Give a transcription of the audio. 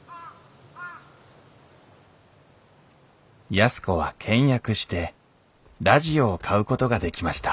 安子は倹約してラジオを買うことができました